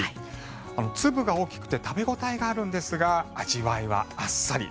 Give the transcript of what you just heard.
粒が大きくて食べ応えがあるんですが味わいはあっさり。